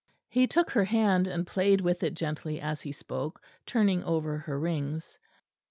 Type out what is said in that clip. He took her hand and played with it gently as he spoke, turning over her rings.